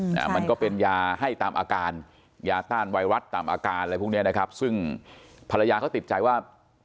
อ่ามันก็เป็นยาให้ตามอาการยาต้านไวรัสตามอาการอะไรพวกเนี้ยนะครับซึ่งภรรยาเขาติดใจว่า